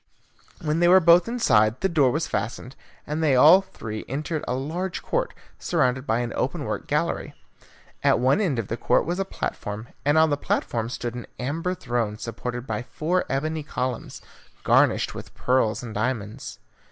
When they were both inside the door was fastened, and they all three entered a large court, surrounded by an open work gallery. At one end of the court was a platform, and on the platform stood an amber throne supported by four ebony columns, garnished with pearls and diamonds.